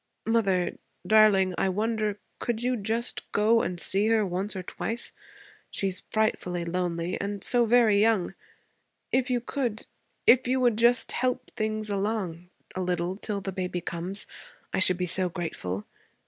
Mother, darling, I wonder, could you just go and see her once or twice? She's frightfully lonely; and so very young. If you could if you would just help things along a little till the baby comes, I should be so grateful.